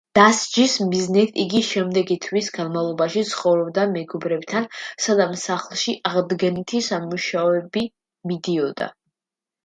დასჯის მიზნით იგი შემდეგი თვის განმავლობაში ცხოვრობდა მეგობრებთან, სანამ სახლში აღდგენითი სამუშაოები მიდიოდა.